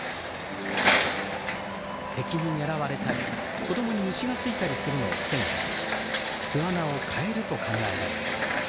敵に狙われたり子供に虫が付いたりするのを防ぐため巣穴を替えると考えられています。